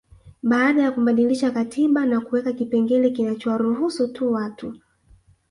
Baada ya kubadilisha katiba na kuweka kipengele kinachowaruhusu tu watu